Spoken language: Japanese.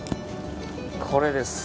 これです。